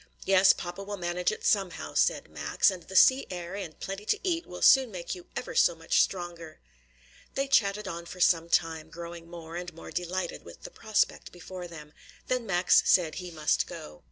"Yes, papa will manage it somehow," said Max; "and the sea air and plenty to eat will soon make you ever so much stronger." They chatted on for some time, growing more and more delighted with the prospect before them; then Max said he must go.